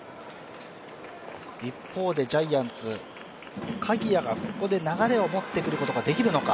一方でジャイアンツ、鍵谷がここで流れを持ってくることができるのか。